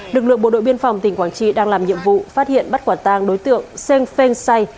lực lượng bộ đội biên phòng tỉnh quảng trị đang làm nhiệm vụ phát hiện bắt quả tang đối tượng seng feng say